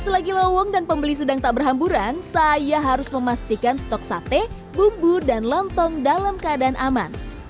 selagi lowong dan pembeli sedang tak berhamburan saya harus memastikan stok sate bumbu dan lontong dalam keadaan aman